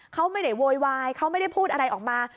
เขาไม่ได้โวยวายเขาไม่ได้พูดอะไรออกมา